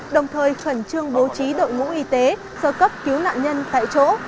đồng thời khẩn trương bố trí đội ngũ y tế sơ cấp cứu nạn nhân tại chỗ